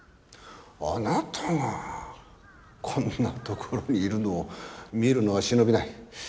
あなたがこんなところにいるのを見るのは忍びない。